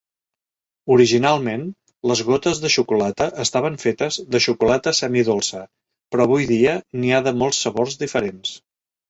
Originalment, les gotes de xocolata estaven fetes de xocolata semi-dolça, però avui dia n'hi ha de molts sabors diferents.